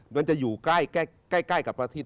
มันจะอยู่ใกล้กับพระอาทิตย